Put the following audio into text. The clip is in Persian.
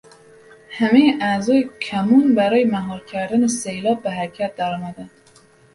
همهٔ اعضای کمون برای مهار کردن سیلاب به حرکت درآمدند.